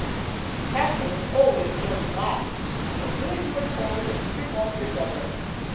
"The captain is always served last, so do as you are told, and strip off your doublet.